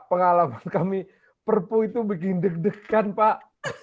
pengalaman kami perpu itu bikin deg degan pak